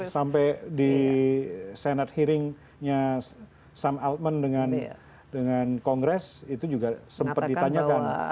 sampai di senate hearing nya sam altman dengan kongres itu juga sempat ditanyakan